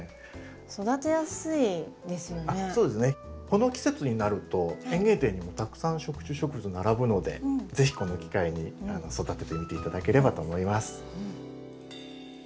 この季節になると園芸店にたくさん食虫植物並ぶので是非この機会に育ててみて頂ければと思います。